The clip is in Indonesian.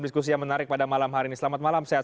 diskusi yang menarik pada malam hari ini selamat malam sehat